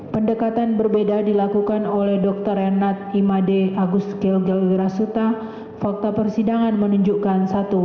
pendekatan berbeda dilakukan oleh dr rednat imade agus gilgil wirasuta fakta persidangan menunjukkan satu